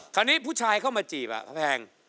คราวนี้ผู้ชายเข้ามาจีบเขาแพง